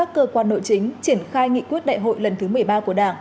cơ quan nội chính triển khai nghị quyết đại hội lần thứ một mươi ba của đảng